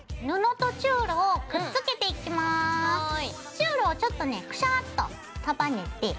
チュールをちょっとねクシャッと束ねて。